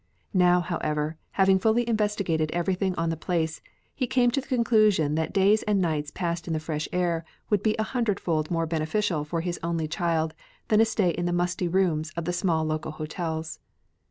Now, however, having fully investigated everything on the place, he came to the conclusion that days and nights passed in the fresh air would be a hundredfold more beneficial for his only child than a stay in the musty rooms of the small local hotels.